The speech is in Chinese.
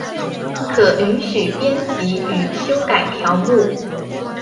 可允许编辑与修改条目。